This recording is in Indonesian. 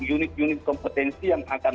unit unit kompetensi yang akan